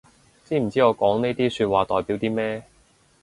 知唔知我講呢啲說話代表啲咩